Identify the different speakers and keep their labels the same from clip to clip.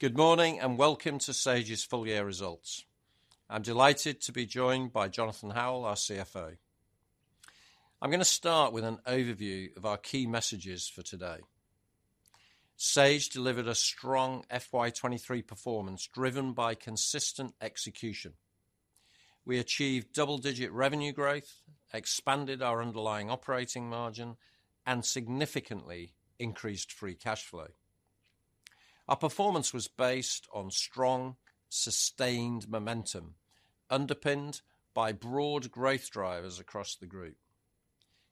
Speaker 1: Good morning, and welcome to Sage's full year results. I'm delighted to be joined by Jonathan Howell, our CFO. I'm gonna start with an overview of our key messages for today. Sage delivered a strong FY23 performance, driven by consistent execution. We achieved double-digit revenue growth, expanded our underlying operating margin, and significantly increased free cash flow. Our performance was based on strong, sustained momentum, underpinned by broad growth drivers across the group.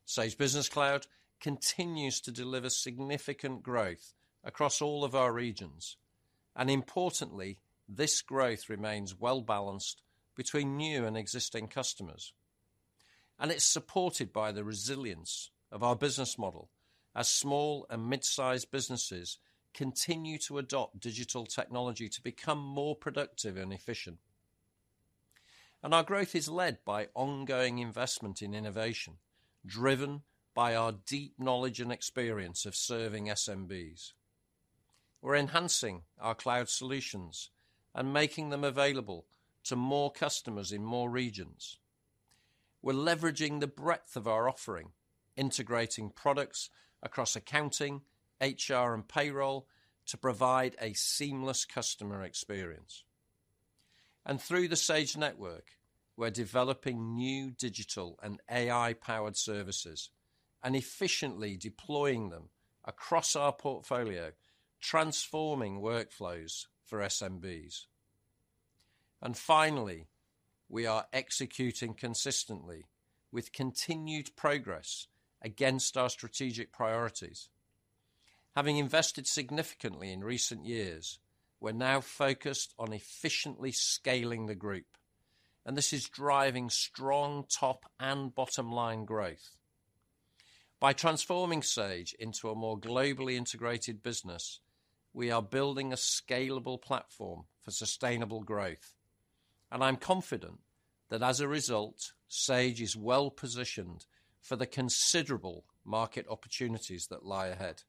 Speaker 1: Sage Business Cloud continues to deliver significant growth across all of our regions, and importantly, this growth remains well-balanced between new and existing customers. It's supported by the resilience of our business model, as small and mid-sized businesses continue to adopt digital technology to become more productive and efficient. Our growth is led by ongoing investment in innovation, driven by our deep knowledge and experience of serving SMBs. We're enhancing our cloud solutions and making them available to more customers in more regions. We're leveraging the breadth of our offering, integrating products across accounting, HR, and payroll, to provide a seamless customer experience. And through the Sage Network, we're developing new digital and AI-powered services and efficiently deploying them across our portfolio, transforming workflows for SMBs. And finally, we are executing consistently with continued progress against our strategic priorities. Having invested significantly in recent years, we're now focused on efficiently scaling the group, and this is driving strong top and bottom-line growth. By transforming Sage into a more globally integrated business, we are building a scalable platform for sustainable growth, and I'm confident that, as a result, Sage is well-positioned for the considerable market opportunities that lie ahead.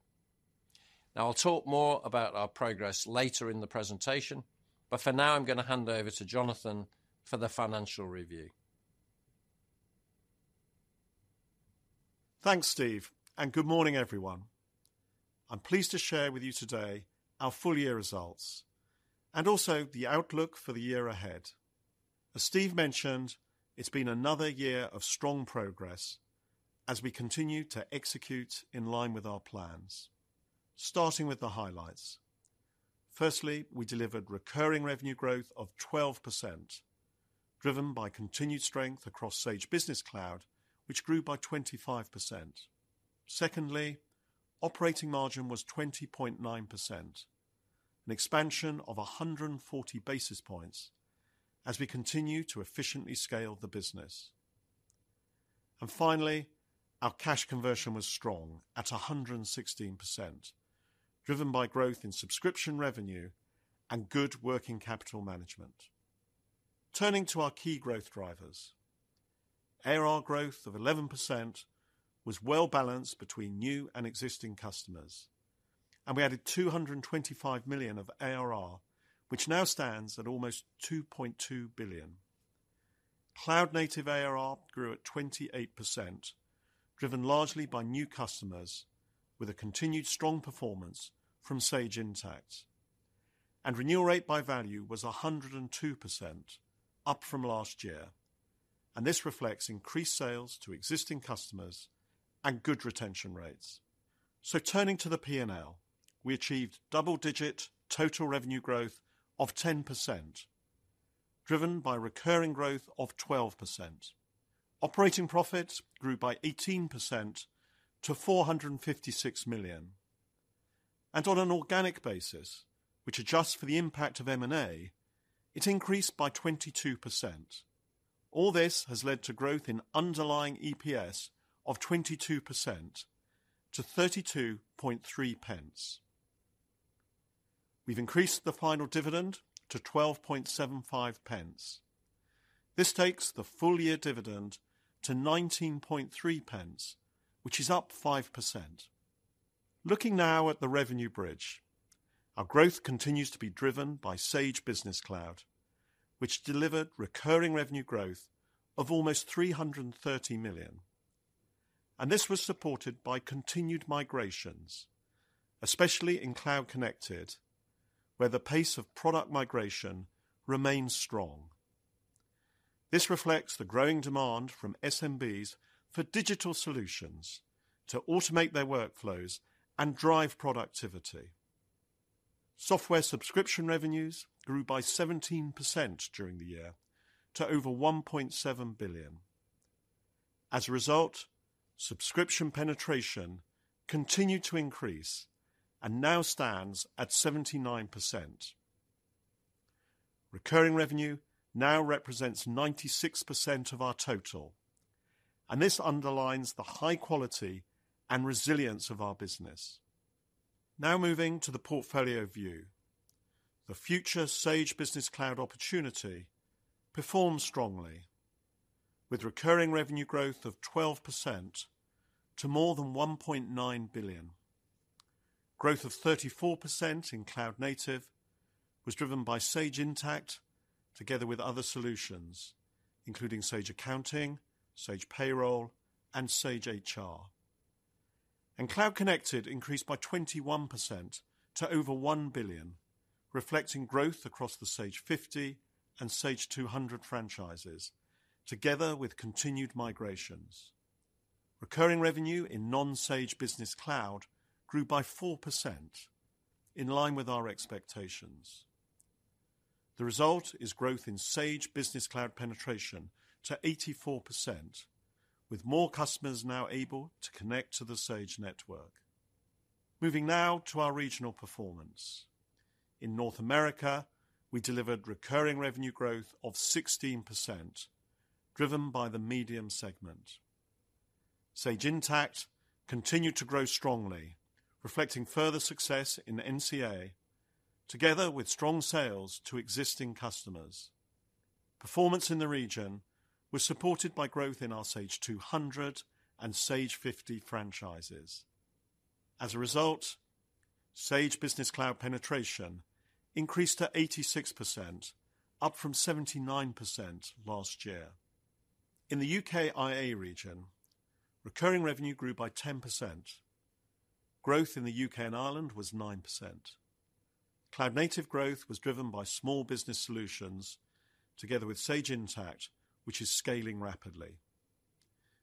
Speaker 1: Now, I'll talk more about our progress later in the presentation, but for now, I'm gonna hand over to Jonathan for the financial review.
Speaker 2: Thanks, Steve, and good morning, everyone. I'm pleased to share with you today our full year results and also the outlook for the year ahead. As Steve mentioned, it's been another year of strong progress as we continue to execute in line with our plans. Starting with the highlights. Firstly, we delivered recurring revenue growth of 12%, driven by continued strength across Sage Business Cloud, which grew by 25%. Secondly, operating margin was 20.9%, an expansion of 140 basis points, as we continue to efficiently scale the business. And finally, our cash conversion was strong at 116%, driven by growth in subscription revenue and good working capital management. Turning to our key growth drivers. ARR growth of 11% was well-balanced between new and existing customers, and we added 225 million of ARR, which now stands at almost 2.2 billion. Cloud-Native ARR grew at 28%, driven largely by new customers, with a continued strong performance from Sage Intacct. Renewal rate by value was 102%, up from last year, and this reflects increased sales to existing customers and good retention rates. Turning to the P&L, we achieved double-digit total revenue growth of 10%, driven by recurring growth of 12%. Operating profits grew by 18% to 456 million. On an organic basis, which adjusts for the impact of M&A, it increased by 22%. All this has led to growth in underlying EPS of 22% to 32.3 pence. We've increased the final dividend to 12.75 pence. This takes the full year dividend to 19.3 pence, which is up 5%. Looking now at the revenue bridge. Our growth continues to be driven by Sage Business Cloud, which delivered recurring revenue growth of almost 330 million, and this was supported by continued migrations, especially in Cloud Connected, where the pace of product migration remains strong. This reflects the growing demand from SMBs for digital solutions to automate their workflows and drive productivity. Software subscription revenues grew by 17% during the year to over 1.7 billion. As a result, subscription penetration continued to increase and now stands at 79%. Recurring revenue now represents 96% of our total, and this underlines the high quality and resilience of our business. Now moving to the portfolio view. The future Sage Business Cloud opportunity performed strongly, with recurring revenue growth of 12% to more than 1.9 billion. Growth of 34% in cloud native was driven by Sage Intacct, together with other solutions, including Sage Accounting, Sage Payroll, and Sage HR. Cloud Connected increased by 21% to over 1 billion, reflecting growth across the Sage 50 and Sage 200 franchises, together with continued migrations. Recurring revenue in non-Sage Business Cloud grew by 4%, in line with our expectations. The result is growth in Sage Business Cloud penetration to 84%, with more customers now able to connect to the Sage Network. Moving now to our regional performance. In North America, we delivered recurring revenue growth of 16%, driven by the medium segment. Sage Intacct continued to grow strongly, reflecting further success in NCA, together with strong sales to existing customers. Performance in the region was supported by growth in our Sage 200 and Sage 50 franchises. As a result, Sage Business Cloud penetration increased to 86%, up from 79% last year. In the UK&I region, recurring revenue grew by 10%. Growth in the UK and Ireland was 9%. Cloud native growth was driven by small business solutions, together with Sage Intacct, which is scaling rapidly.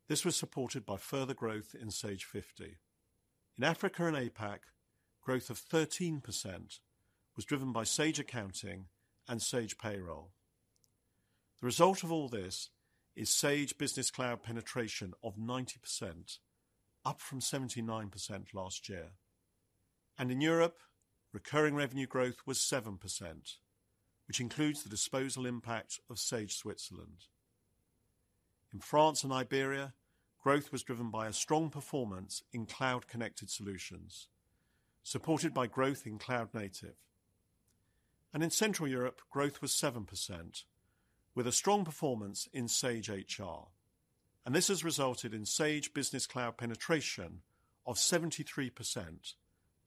Speaker 2: This was supported by further growth in Sage 50. In Africa and APAC, growth of 13% was driven by Sage Accounting and Sage Payroll. The result of all this is Sage Business Cloud penetration of 90%, up from 79% last year. In Europe, recurring revenue growth was 7%, which includes the disposal impact of Sage Switzerland. In France and Iberia, growth was driven by a strong performance in Cloud-Connected solutions, supported by growth in Cloud Native. In Central Europe, growth was 7%, with a strong performance in Sage HR, and this has resulted in Sage Business Cloud penetration of 73%,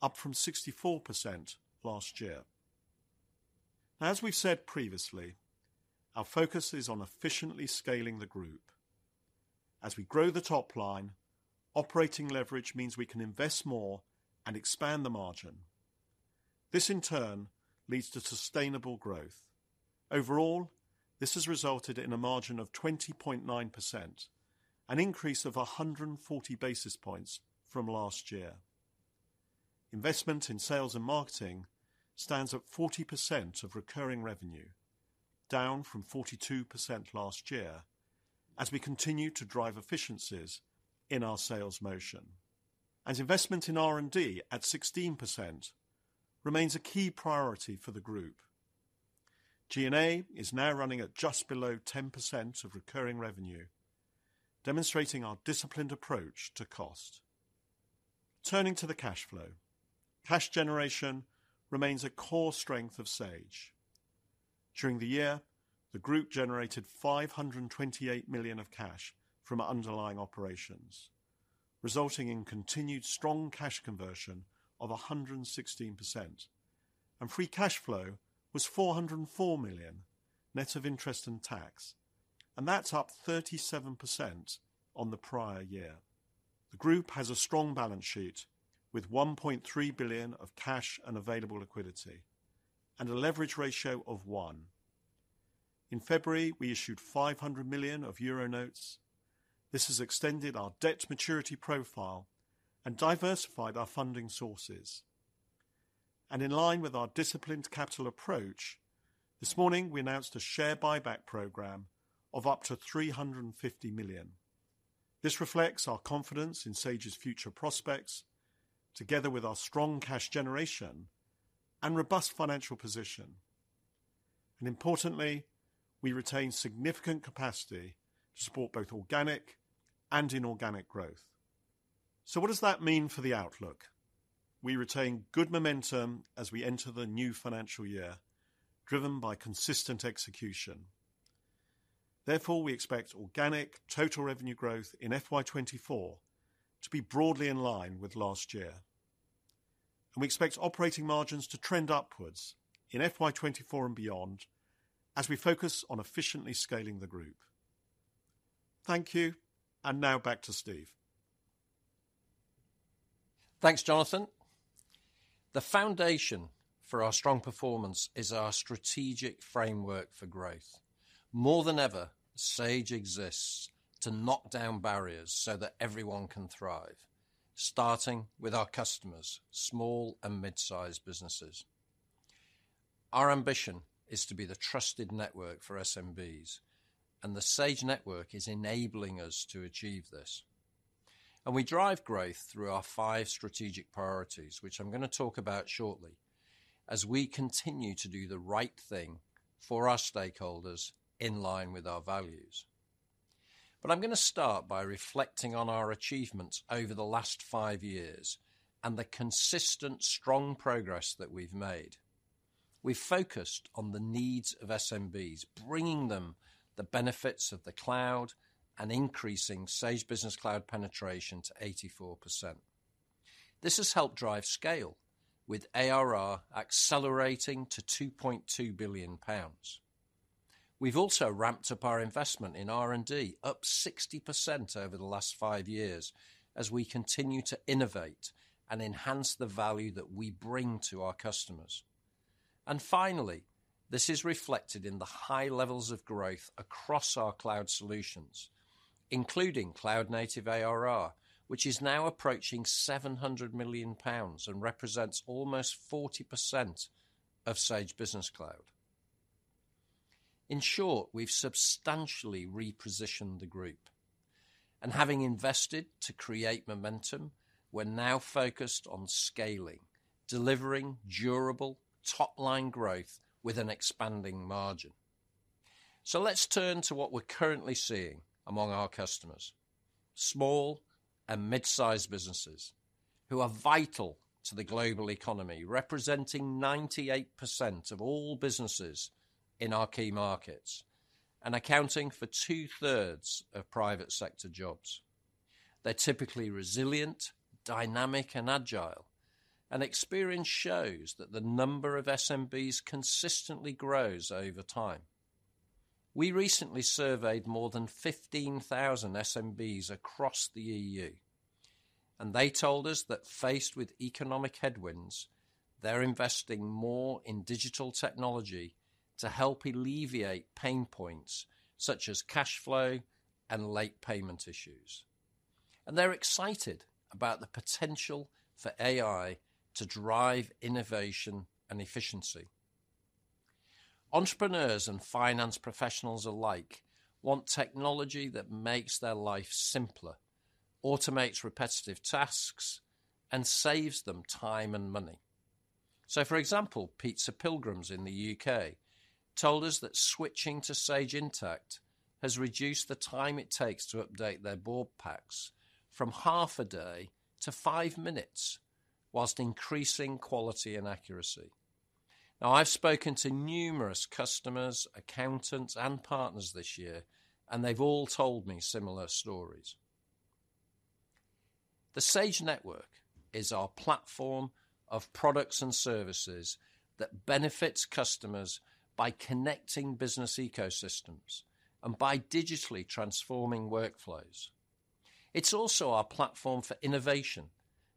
Speaker 2: up from 64% last year. As we've said previously, our focus is on efficiently scaling the group. As we grow the top line, operating leverage means we can invest more and expand the margin. This, in turn, leads to sustainable growth. Overall, this has resulted in a margin of 20.9%, an increase of 140 basis points from last year. Investment in sales and marketing stands at 40% of recurring revenue, down from 42% last year, as we continue to drive efficiencies in our sales motion. As investment in R&D at 16% remains a key priority for the group, G&A is now running at just below 10% of recurring revenue, demonstrating our disciplined approach to cost. Turning to the cash flow. Cash generation remains a core strength of Sage. During the year, the group generated 528 million of cash from underlying operations, resulting in continued strong cash conversion of 116%, and free cash flow was 404 million, net of interest and tax, and that's up 37% on the prior year. The group has a strong balance sheet, with 1.3 billion of cash and available liquidity, and a leverage ratio of 1. In February, we issued 500 million of euro notes. This has extended our debt maturity profile and diversified our funding sources. In line with our disciplined capital approach, this morning, we announced a share buyback program of up to 350 million. This reflects our confidence in Sage's future prospects, together with our strong cash generation and robust financial position. Importantly, we retain significant capacity to support both organic and inorganic growth. So what does that mean for the outlook? We retain good momentum as we enter the new financial year, driven by consistent execution. Therefore, we expect organic total revenue growth in FY24 to be broadly in line with last year. We expect operating margins to trend upwards in FY24 and beyond, as we focus on efficiently scaling the group. Thank you, and now back to Steve.
Speaker 1: Thanks, Jonathan. The foundation for our strong performance is our strategic framework for growth. More than ever, Sage exists to knock down barriers so that everyone can thrive, starting with our customers, small and mid-sized businesses. Our ambition is to be the trusted network for SMBs, and the Sage Network is enabling us to achieve this. We drive growth through our five strategic priorities, which I'm gonna talk about shortly, as we continue to do the right thing for our stakeholders in line with our values. But I'm gonna start by reflecting on our achievements over the last five years and the consistent, strong progress that we've made. We focused on the needs of SMBs, bringing them the benefits of the cloud and increasing Sage Business Cloud penetration to 84%. This has helped drive scale, with ARR accelerating to 2.2 billion pounds. We've also ramped up our investment in R&D, up 60% over the last five years, as we continue to innovate and enhance the value that we bring to our customers. Finally, this is reflected in the high levels of growth across our cloud solutions, including cloud-native ARR, which is now approaching 700 million pounds and represents almost 40% of Sage Business Cloud. In short, we've substantially repositioned the group, and having invested to create momentum, we're now focused on scaling, delivering durable, top-line growth with an expanding margin. Let's turn to what we're currently seeing among our customers. Small and mid-sized businesses, who are vital to the global economy, representing 98% of all businesses in our key markets, and accounting for two-thirds of private sector jobs. They're typically resilient, dynamic, and agile, and experience shows that the number of SMBs consistently grows over time. We recently surveyed more than 15,000 SMBs across the EU, and they told us that faced with economic headwinds, they're investing more in digital technology to help alleviate pain points, such as cash flow and late payment issues. They're excited about the potential for AI to drive innovation and efficiency. Entrepreneurs and finance professionals alike want technology that makes their life simpler, automates repetitive tasks, and saves them time and money. For example, Pizza Pilgrims in the UK told us that switching to Sage Intacct has reduced the time it takes to update their board packs from half a day to 5 minutes, while increasing quality and accuracy. Now, I've spoken to numerous customers, accountants, and partners this year, and they've all told me similar stories. The Sage Network is our platform of products and services that benefits customers by connecting business ecosystems and by digitally transforming workflows. It's also our platform for innovation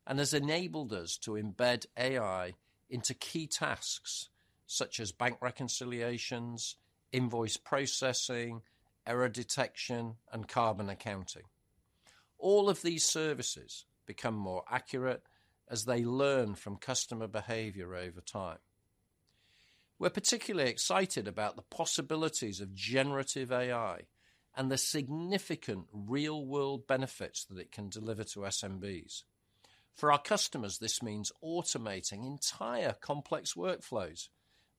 Speaker 1: and has enabled us to embed AI into key tasks such as bank reconciliations, invoice processing, error detection, and carbon accounting. All of these services become more accurate as they learn from customer behavior over time. We're particularly excited about the possibilities of Generative AI and the significant real-world benefits that it can deliver to SMBs. For our customers, this means automating entire complex workflows,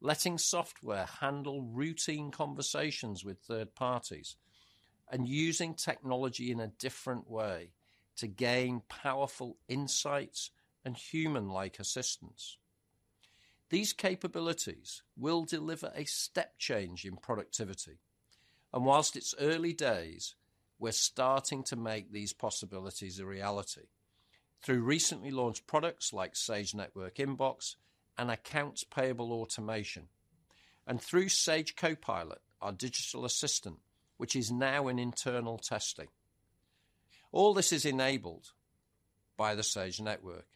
Speaker 1: letting software handle routine conversations with third parties, and using technology in a different way to gain powerful insights and human-like assistance. These capabilities will deliver a step change in productivity, and while it's early days, we're starting to make these possibilities a reality through recently launched products like Sage Network Inbox and Accounts Payable Automation, and through Sage Copilot, our digital assistant, which is now in internal testing. All this is enabled by the Sage Network,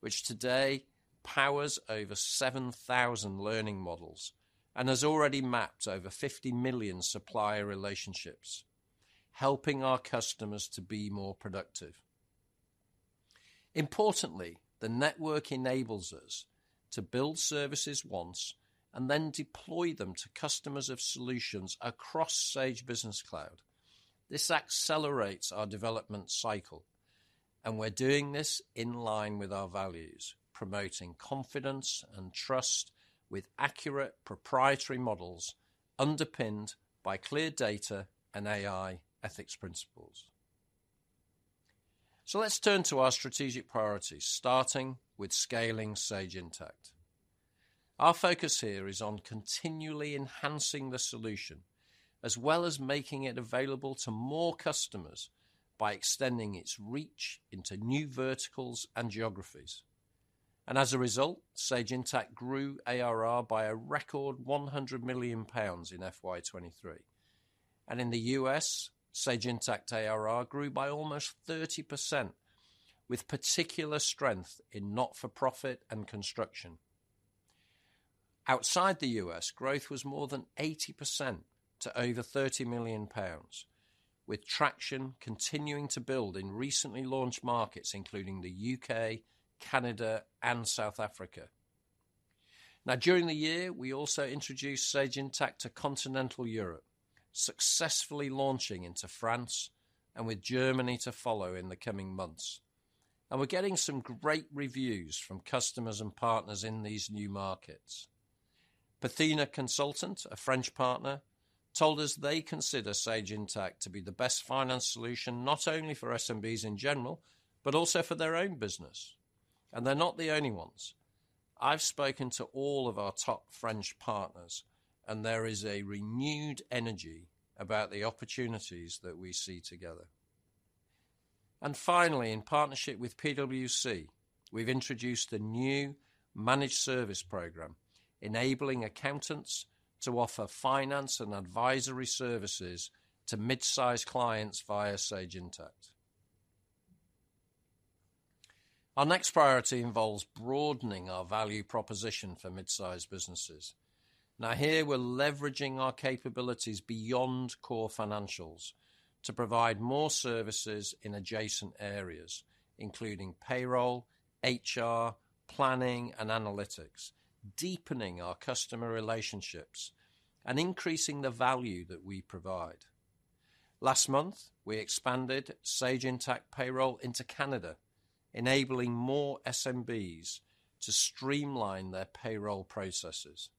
Speaker 1: which today powers over 7,000 learning models and has already mapped over 50 million supplier relationships, helping our customers to be more productive. Importantly, the network enables us to build services once and then deploy them to customers of solutions across Sage Business Cloud. This accelerates our development cycle, and we're doing this in line with our values, promoting confidence and trust with accurate proprietary models, underpinned by clear data and AI ethics principles. So let's turn to our strategic priorities, starting with scaling Sage Intacct. Our focus here is on continually enhancing the solution, as well as making it available to more customers by extending its reach into new verticals and geographies. As a result, Sage Intacct grew ARR by a record 100 million pounds in FY23. In the U.S., Sage Intacct ARR grew by almost 30%, with particular strength in not-for-profit and construction. Outside the U.S., growth was more than 80% to over 30 million pounds, with traction continuing to build in recently launched markets, including the U.K., Canada, and South Africa. Now, during the year, we also introduced Sage Intacct to Continental Europe, successfully launching into France and with Germany to follow in the coming months. We're getting some great reviews from customers and partners in these new markets. Parthena Consultant, a French partner- told us they consider Sage Intacct to be the best finance solution, not only for SMBs in general, but also for their own business, and they're not the only ones. I've spoken to all of our top French partners, and there is a renewed energy about the opportunities that we see together. Finally, in partnership with PwC, we've introduced a new managed service program, enabling accountants to offer finance and advisory services to mid-sized clients via Sage Intacct. Our next priority involves broadening our value proposition for mid-sized businesses. Now, here we're leveraging our capabilities beyond core financials to provide more services in adjacent areas, including payroll, HR, planning, and analytics, deepening our customer relationships and increasing the value that we provide. Last month, we expanded Sage Intacct Payroll into Canada, enabling more SMBs to streamline their payroll processes.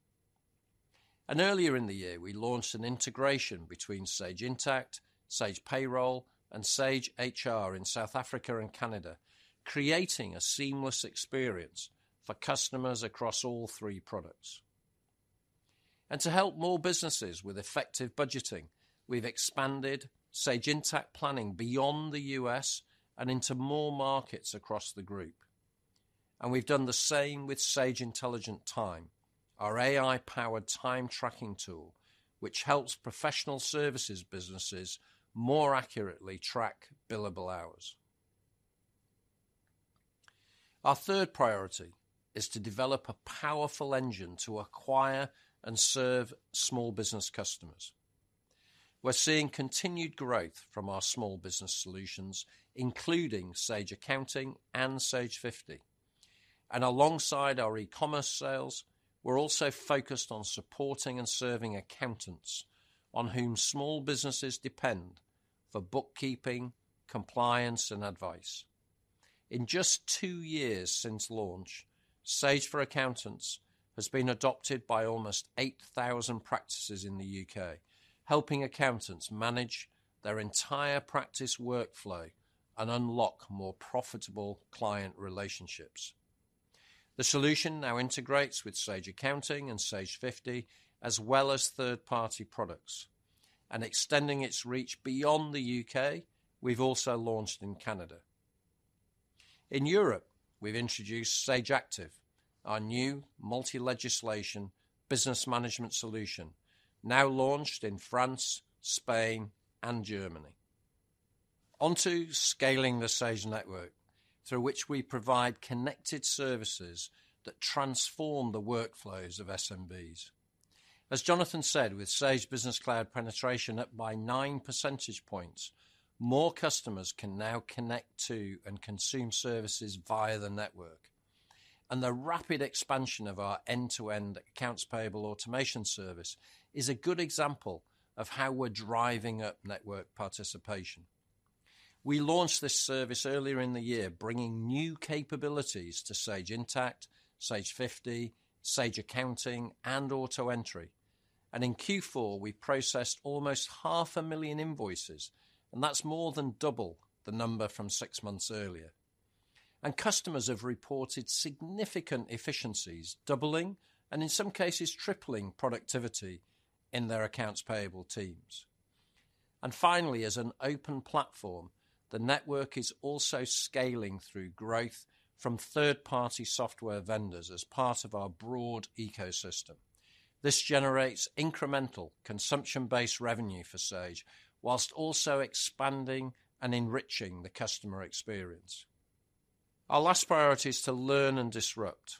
Speaker 1: Earlier in the year, we launched an integration between Sage Intacct, Sage Payroll, and Sage HR in South Africa and Canada, creating a seamless experience for customers across all three products. To help more businesses with effective budgeting, we've expanded Sage Intacct Planning beyond the U.S. and into more markets across the group, and we've done the same with Sage Intelligent Time, our AI-powered time tracking tool, which helps professional services businesses more accurately track billable hours. Our third priority is to develop a powerful engine to acquire and serve small business customers. We're seeing continued growth from our small business solutions, including Sage Accounting and Sage 50. Alongside our e-commerce sales, we're also focused on supporting and serving accountants on whom small businesses depend for bookkeeping, compliance, and advice. In just two years since launch, Sage for Accountants has been adopted by almost 8,000 practices in the UK, helping accountants manage their entire practice workflow and unlock more profitable client relationships. The solution now integrates with Sage Accounting and Sage 50, as well as third-party products. Extending its reach beyond the UK, we've also launched in Canada. In Europe, we've introduced Sage Active, our new multi-legislation business management solution, now launched in France, Spain, and Germany. Onto scaling the Sage Network, through which we provide connected services that transform the workflows of SMBs. As Jonathan said, with Sage Business Cloud penetration up by 9 percentage points, more customers can now connect to and consume services via the network. The rapid expansion of our end-to-end accounts payable automation service is a good example of how we're driving up network participation. We launched this service earlier in the year, bringing new capabilities to Sage Intacct, Sage 50, Sage Accounting, and AutoEntry. In Q4, we processed almost 500,000 invoices, and that's more than double the number from six months earlier. Customers have reported significant efficiencies, doubling, and in some cases, tripling productivity in their accounts payable teams. Finally, as an open platform, the network is also scaling through growth from third-party software vendors as part of our broad ecosystem. This generates incremental consumption-based revenue for Sage, while also expanding and enriching the customer experience. Our last priority is to learn and disrupt.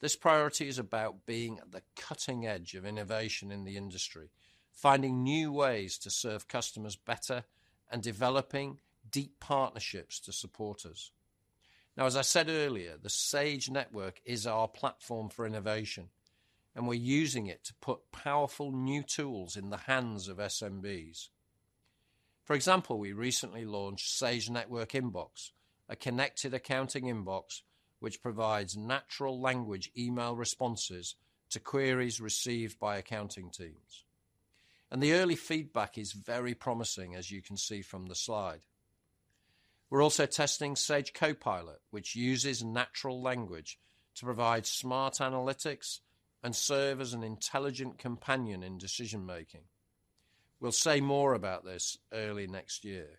Speaker 1: This priority is about being at the cutting edge of innovation in the industry, finding new ways to serve customers better, and developing deep partnerships to support us. Now, as I said earlier, the Sage Network is our platform for innovation, and we're using it to put powerful new tools in the hands of SMBs. For example, we recently launched Sage Network Inbox, a connected accounting inbox, which provides natural language email responses to queries received by accounting teams. The early feedback is very promising, as you can see from the slide. We're also testing Sage Copilot, which uses natural language to provide smart analytics and serve as an intelligent companion in decision-making. We'll say more about this early next year.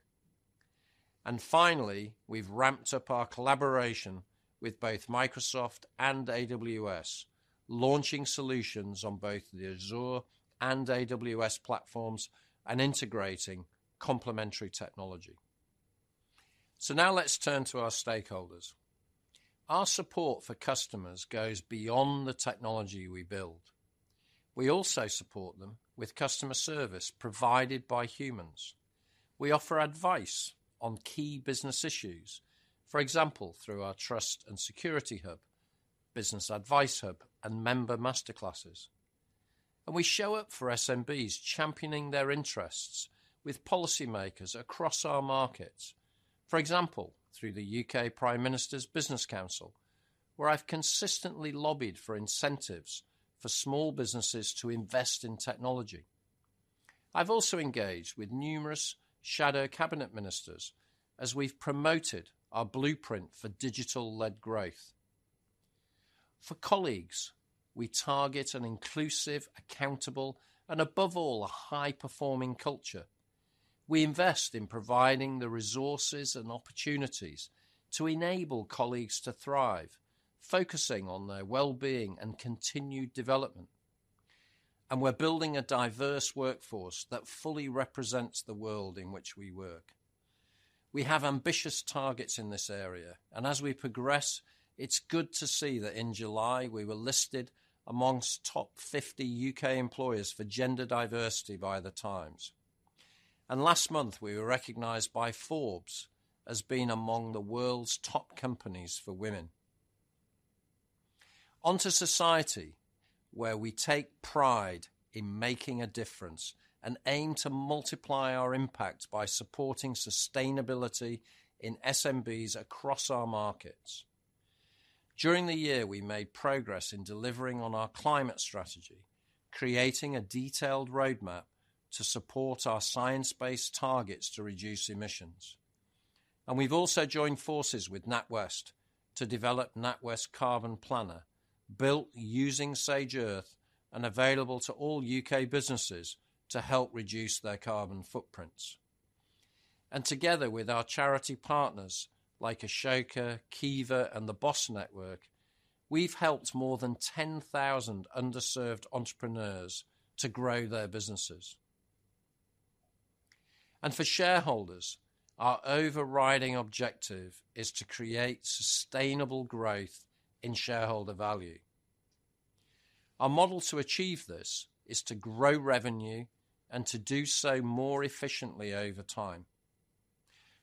Speaker 1: Finally, we've ramped up our collaboration with both Microsoft and AWS, launching solutions on both the Azure and AWS platforms and integrating complementary technology. Now let's turn to our stakeholders. Our support for customers goes beyond the technology we build. We also support them with customer service provided by humans. We offer advice on key business issues, for example, through our Trust and Security Hub, Business Advice Hub, and Member Master Classes. We show up for SMBs, championing their interests with policymakers across our markets. For example, through the UK Prime Minister's Business Council, where I've consistently lobbied for incentives for small businesses to invest in technology. I've also engaged with numerous shadow cabinet ministers as we've promoted our blueprint for digital-led growth. For colleagues, we target an inclusive, accountable, and above all, a high-performing culture. We invest in providing the resources and opportunities to enable colleagues to thrive, focusing on their well-being and continued development. We're building a diverse workforce that fully represents the world in which we work. We have ambitious targets in this area, and as we progress, it's good to see that in July, we were listed among top 50 UK employers for gender diversity by The Times. Last month, we were recognized by Forbes as being among the world's top companies for women. Onto society, where we take pride in making a difference and aim to multiply our impact by supporting sustainability in SMBs across our markets. During the year, we made progress in delivering on our climate strategy, creating a detailed roadmap to support our science-based targets to reduce emissions. We've also joined forces with NatWest to develop NatWest Carbon Planner, built using Sage Earth and available to all UK businesses to help reduce their carbon footprints. Together with our charity partners, like Ashoka, Kiva, and the BOSS Network, we've helped more than 10,000 underserved entrepreneurs to grow their businesses. For shareholders, our overriding objective is to create sustainable growth in shareholder value. Our model to achieve this is to grow revenue and to do so more efficiently over time.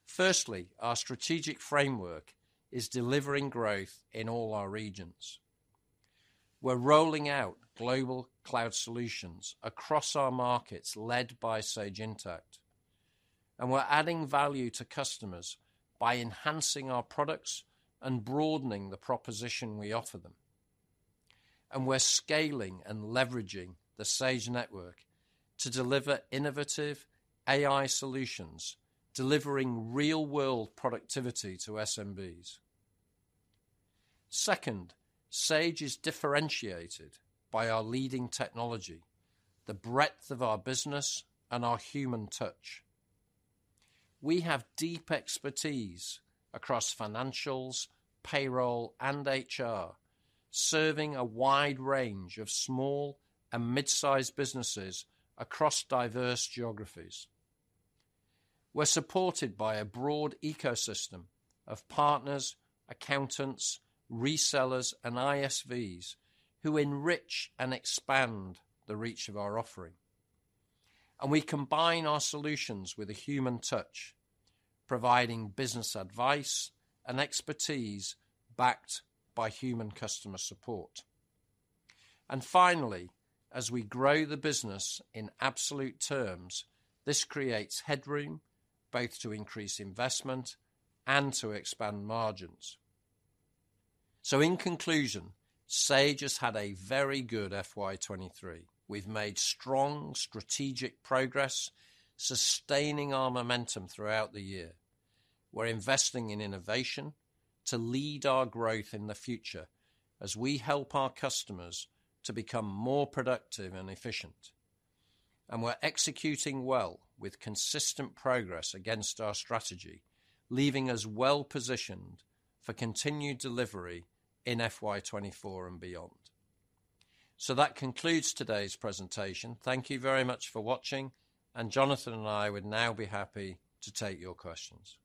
Speaker 1: Firstly, our strategic framework is delivering growth in all our regions. We're rolling out global cloud solutions across our markets, led by Sage Intacct, and we're adding value to customers by enhancing our products and broadening the proposition we offer them. And we're scaling and leveraging the Sage Network to deliver innovative AI solutions, delivering real-world productivity to SMBs. Second, Sage is differentiated by our leading technology, the breadth of our business, and our human touch. We have deep expertise across financials, payroll, and HR, serving a wide range of small and mid-sized businesses across diverse geographies. We're supported by a broad ecosystem of partners, accountants, resellers, and ISVs who enrich and expand the reach of our offering. And we combine our solutions with a human touch, providing business advice and expertise, backed by human customer support. And finally, as we grow the business in absolute terms, this creates headroom, both to increase investment and to expand margins. So in conclusion, Sage has had a very good FY23. We've made strong strategic progress, sustaining our momentum throughout the year. We're investing in innovation to lead our growth in the future as we help our customers to become more productive and efficient. And we're executing well with consistent progress against our strategy, leaving us well-positioned for continued delivery in FY24 and beyond. So that concludes today's presentation. Thank you very much for watching, and Jonathan and I would now be happy to take your questions.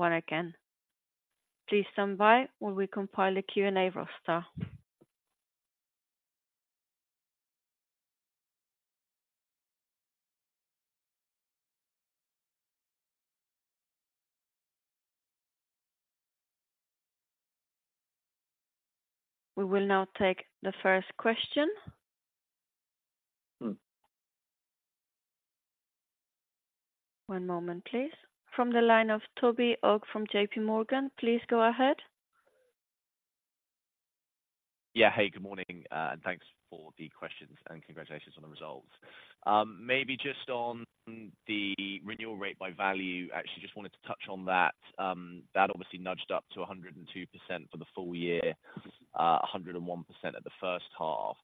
Speaker 3: Once again. Please stand by while we compile a Q&A roster. We will now take the first question.
Speaker 1: Mm.
Speaker 3: One moment, please. From the line of Toby Ogg from JP Morgan, please go ahead.
Speaker 4: Yeah. Hey, good morning, and thanks for the questions, and congratulations on the results. Maybe just on the renewal rate by value, actually, just wanted to touch on that. That obviously nudged up to 102% for the full year, 101% at the first half.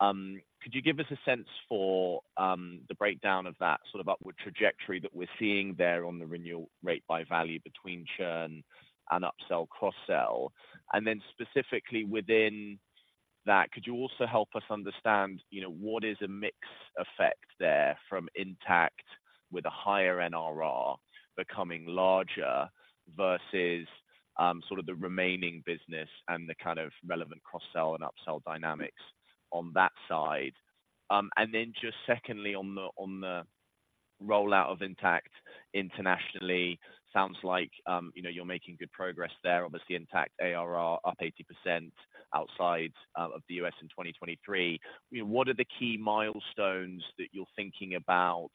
Speaker 4: Could you give us a sense for the breakdown of that sort of upward trajectory that we're seeing there on the renewal rate by value between churn and upsell, cross-sell? And then specifically within that, could you also help us understand, you know, what is a mix effect there from Intacct with a higher NRR becoming larger versus sort of the remaining business and the kind of relevant cross-sell and upsell dynamics on that side? And then just secondly, on the rollout of Intacct internationally. Sounds like, you know, you're making good progress there. Obviously, Intacct ARR up 80% outside of the U.S. in 2023. You know, what are the key milestones that you're thinking about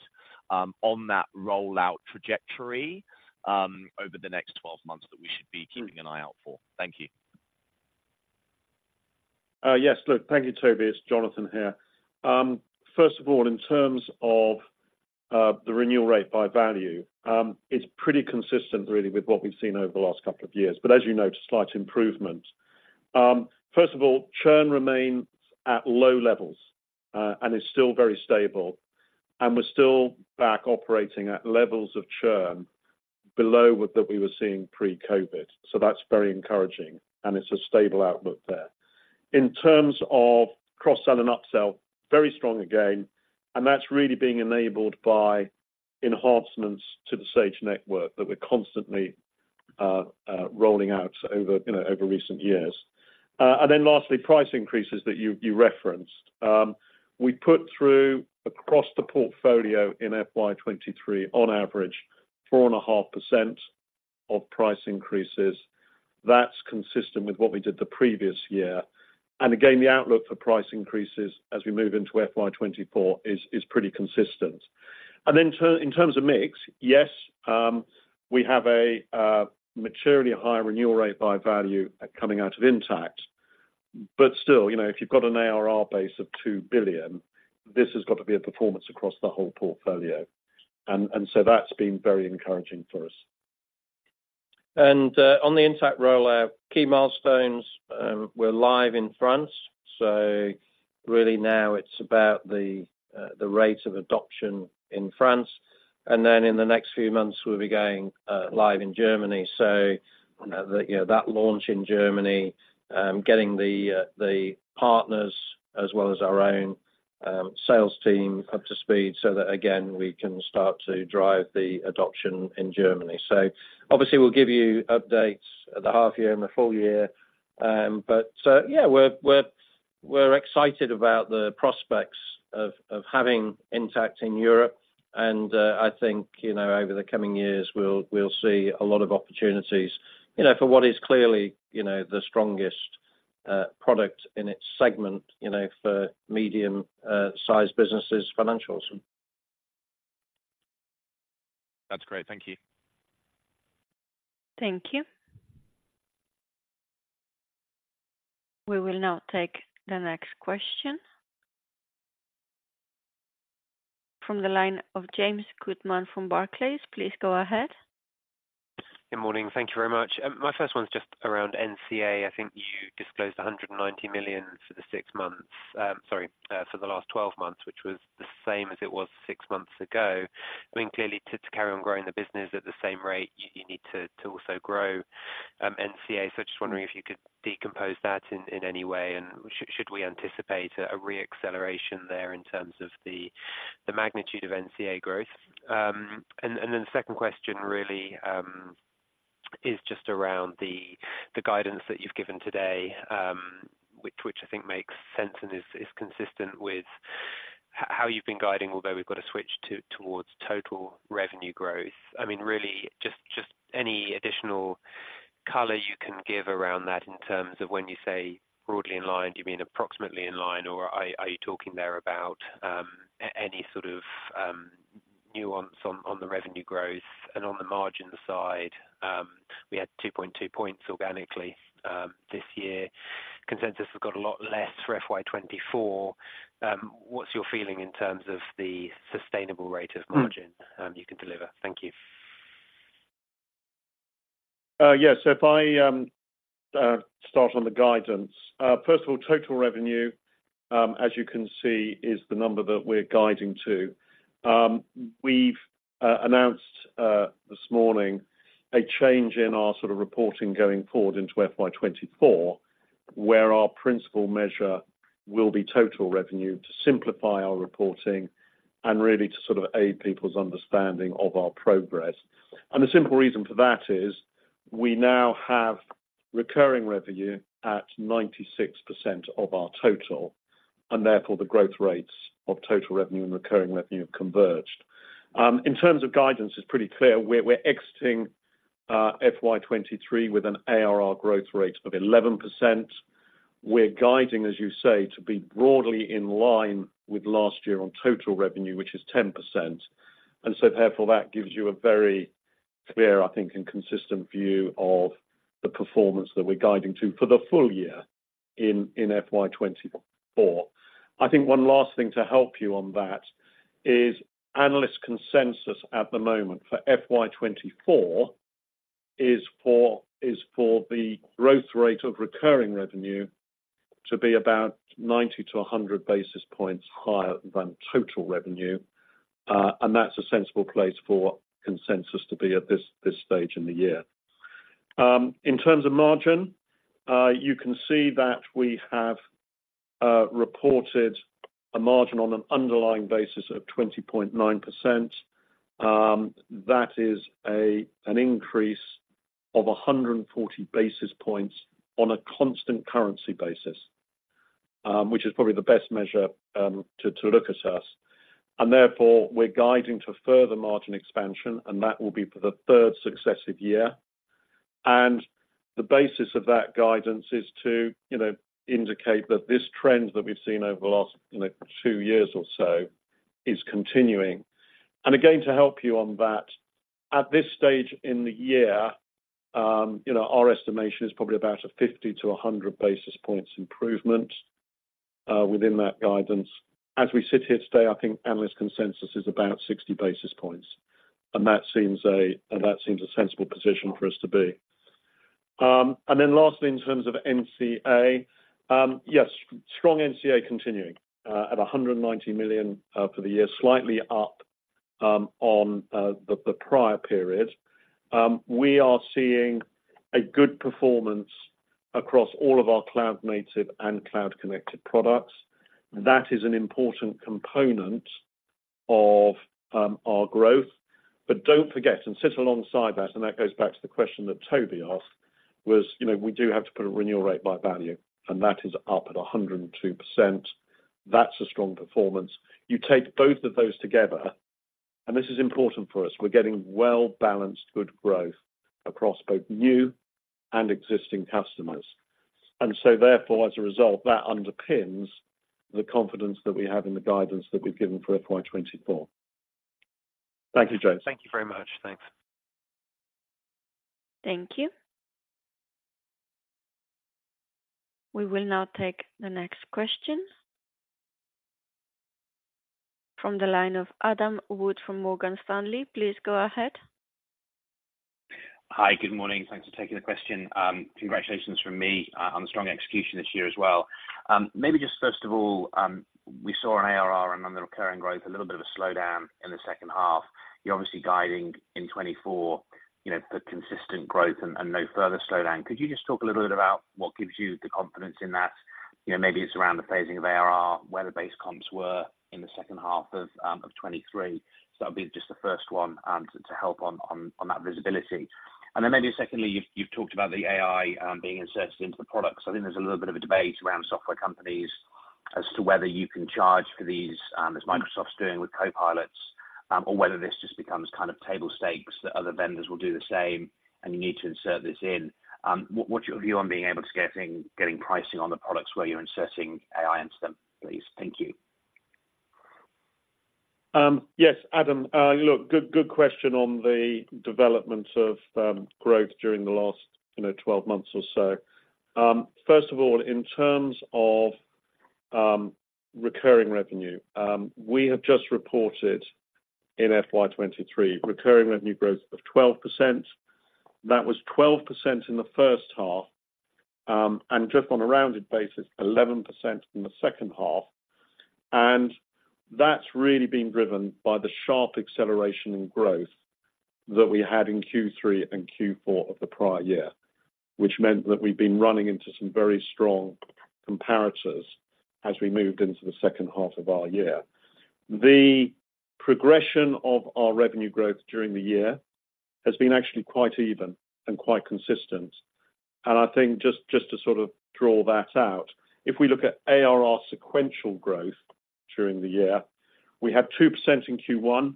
Speaker 4: on that rollout trajectory over the next 12 months that we should be keeping an eye out for? Thank you.
Speaker 2: Yes. Look, thank you, Toby. It's Jonathan here. First of all, in terms of the renewal rate by value, it's pretty consistent really with what we've seen over the last couple of years, but as you know, slight improvement. First of all, churn remains at low levels, and is still very stable, and we're still back operating at levels of churn below what we were seeing pre-COVID. So that's very encouraging, and it's a stable outlook there. In terms of cross-sell and upsell, very strong again, and that's really being enabled by enhancements to the Sage Network that we're constantly rolling out over, you know, over recent years. And then lastly, price increases that you referenced. We put through across the portfolio in FY23, on average, 4.5% price increases. That's consistent with what we did the previous year. And again, the outlook for price increases as we move into FY24 is pretty consistent. And then in terms of mix, yes, we have a materially higher renewal rate by value coming out of Intacct, but still, you know, if you've got an ARR base of 2 billion, this has got to be a performance across the whole portfolio. And so that's been very encouraging for us.
Speaker 1: On the Intacct rollout, key milestones, we're live in France, so really now it's about the rate of adoption in France, and then in the next few months, we'll be going live in Germany. So, you know, that launch in Germany, getting the partners as well as our own sales team up to speed so that again, we can start to drive the adoption in Germany. So obviously, we'll give you updates at the half year and the full year. But, so yeah, we're excited about the prospects of having Intacct in Europe, and I think, you know, over the coming years, we'll see a lot of opportunities, you know, for what is clearly, you know, the strongest product in its segment, you know, for medium size businesses, financials.
Speaker 4: That's great. Thank you.
Speaker 3: Thank you. We will now take the next question. From the line of James Goodman from Barclays. Please go ahead.
Speaker 5: Good morning. Thank you very much. My first one is just around NCA. I think you disclosed 190 million for the six months. Sorry, for the last 12 months, which was the same as it was six months ago. I mean, clearly, to carry on growing the business at the same rate, you need to also grow NCA. So just wondering if you could decompose that in any way, and should we anticipate a re-acceleration there in terms of the magnitude of NCA growth? And then the second question really is just around the guidance that you've given today, which I think makes sense and is consistent with how you've been guiding, although we've got to switch to towards total revenue growth. I mean, really, just, just any additional color you can give around that in terms of when you say broadly in line, do you mean approximately in line, or are you talking there about any sort of nuance on the revenue growth? And on the margin side, we had 2.2 points organically this year. Consensus, we've got a lot less for FY24. What's your feeling in terms of the sustainable rate of margin you can deliver? Thank you.
Speaker 2: Yes, so if I start on the guidance, first of all, total revenue, as you can see, is the number that we're guiding to. We've announced this morning a change in our sort of reporting going forward into FY24, where our principal measure will be total revenue to simplify our reporting and really to sort of aid people's understanding of our progress. And the simple reason for that is we now have recurring revenue at 96% of our total, and therefore, the growth rates of total revenue and recurring revenue have converged. In terms of guidance, it's pretty clear we're exiting FY23 with an ARR growth rate of 11%. We're guiding, as you say, to be broadly in line with last year on total revenue, which is 10%. And so therefore, that gives you a very clear, I think, and consistent view of the performance that we're guiding to for the full year in FY24. I think one last thing to help you on that is analyst consensus at the moment for FY24 is for the growth rate of recurring revenue to be about 90-100 basis points higher than total revenue, and that's a sensible place for consensus to be at this stage in the year. In terms of margin, you can see that we have reported a margin on an underlying basis of 20.9%. That is an increase of 140 basis points on a constant currency basis. Which is probably the best measure to look at us. Therefore, we're guiding to further margin expansion, and that will be for the third successive year. The basis of that guidance is to, you know, indicate that this trend that we've seen over the last, you know, two years or so is continuing. And again, to help you on that, at this stage in the year, our estimation is probably about a 50-100 basis points improvement within that guidance. As we sit here today, I think analyst consensus is about 60 basis points, and that seems a sensible position for us to be. And then lastly, in terms of NCA, yes, strong NCA continuing at 190 million for the year, slightly up on the prior period. We are seeing a good performance across all of our Cloud Native and Cloud Connected products. That is an important component of our growth. But don't forget, and sit alongside that, and that goes back to the question that Toby asked, was, you know, we do have to put a renewal rate by value, and that is up at 102%. That's a strong performance. You take both of those together, and this is important for us, we're getting well-balanced good growth across both new and existing customers. And so therefore, as a result, that underpins the confidence that we have in the guidance that we've given for FY24. Thank you, James.
Speaker 5: Thank you very much. Thanks.
Speaker 3: Thank you. We will now take the next question from the line of Adam Wood from Morgan Stanley. Please go ahead.
Speaker 6: Hi, good morning. Thanks for taking the question. Congratulations from me on the strong execution this year as well. Maybe just first of all, we saw an ARR and on the recurring growth, a little bit of a slowdown in the second half. You're obviously guiding in 2024, you know, for consistent growth and no further slowdown. Could you just talk a little bit about what gives you the confidence in that? You know, maybe it's around the phasing of ARR, where the base comps were in the second half of 2023. So that'll be just the first one to help on that visibility. And then maybe secondly, you've talked about the AI being inserted into the products. I think there's a little bit of a debate around software companies as to whether you can charge for these, as Microsoft's doing with Copilots, or whether this just becomes kind of table stakes, that other vendors will do the same, and you need to insert this in. What's your view on being able to get pricing on the products where you're inserting AI into them, please? Thank you.
Speaker 2: Yes, Adam, look, good, good question on the development of growth during the last, you know, 12 months or so. First of all, in terms of recurring revenue, we have just reported in FY23, recurring revenue growth of 12%. That was 12% in the first half, and just on a rounded basis, 11% in the second half. That's really been driven by the sharp acceleration in growth that we had in Q3 and Q4 of the prior year, which meant that we've been running into some very strong comparators as we moved into the second half of our year. The progression of our revenue growth during the year has been actually quite even and quite consistent. I think just, just to sort of draw that out, if we look at ARR sequential growth during the year, we have 2% in Q1,